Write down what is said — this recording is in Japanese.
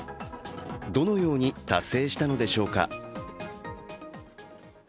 どのように達成したのでしょうか。